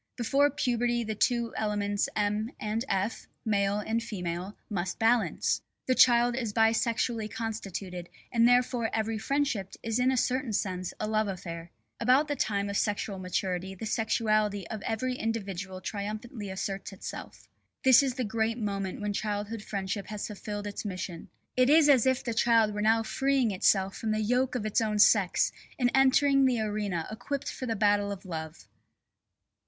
Before puberty the two elements M. and F., male and female, must balance. The child is bisexually constituted, and therefore every friendship is in a certain sense a love affair. About the time of sexual maturity the sexuality of every individual triumphantly asserts itself. This is the great moment when childhood friendship has fulfilled its mission. It is as if the child were now freeing itself from the yoke of its own sex and entering the arena equipped for the battle of love.